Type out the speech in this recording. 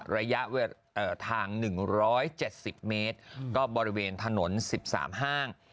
ระยะทาง๑๗๐เมตรก็บริเวณถนน๑๓ห้าง